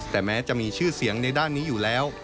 แต่แม้จะมีชื่อเสียงในด้านนี้อยู่แล้ว